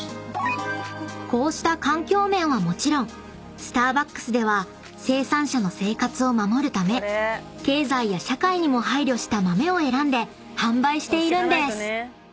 ［こうした環境面はもちろんスターバックスでは生産者の生活を守るため経済や社会にも配慮した豆を選んで販売しているんです］